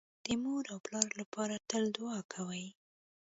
د مور او پلار لپاره تل دوعا کوئ